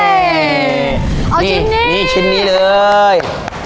เอาชิ้นนี้นี่ชิ้นนี้เลย